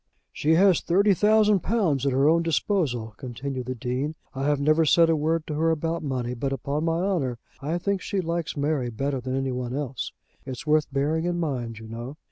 "She has thirty thousand pounds at her own disposal," continued the Dean. "I have never said a word to her about money, but, upon my honour, I think she likes Mary better than any one else. It's worth bearing in mind, you know."